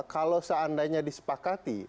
kalau seandainya disepakati